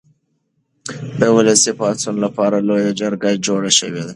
د ولسي پاڅون لپاره لویه جرګه جوړه شوه.